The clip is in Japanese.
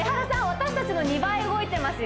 私たちの２倍動いてます